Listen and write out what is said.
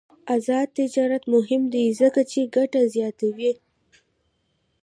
آزاد تجارت مهم دی ځکه چې ګټه زیاتوي.